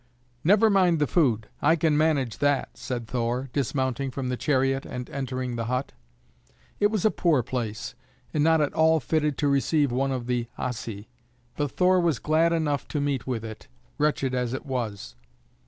"Never mind the food; I can manage that," said Thor, dismounting from the chariot and entering the hut. It was a poor place, and not at all fitted to receive one of the Asi, but Thor was glad enough to meet with it, wretched as it was.